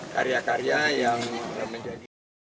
karya karya yang menjadi